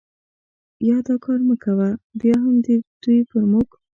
یا دا کار مه کوه، بیا هم دوی پر موږ.